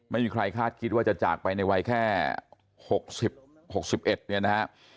ไม่มีใครคาดคิดว่าจะจากไปในวัยแค่หกสิบหกสิบเอ็ดเนี่ยนะฮะ